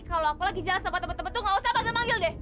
kalau aku lagi jalan sama temen temen tuh gak usah panggil manggil deh